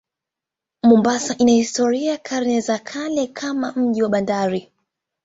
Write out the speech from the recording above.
Mombasa ina historia ya karne za kale kama mji wa bandari.